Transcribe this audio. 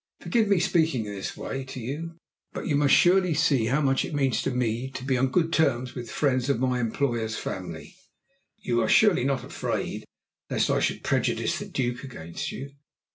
Forgive me for speaking in this way to you, but you must surely see how much it means to me to be on good terms with friends of my employer's family." "You are surely not afraid lest I should prejudice the Duke against you?"